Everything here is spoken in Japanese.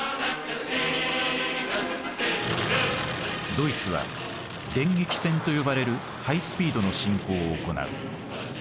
ドイツは電撃戦と呼ばれるハイスピードの侵攻を行う。